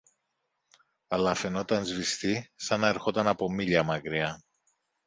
αλλά φαινόταν σβηστή, σαν να ερχόταν από μίλια μακριά